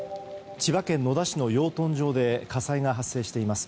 千葉県野田市の養豚場で火災が発生しています。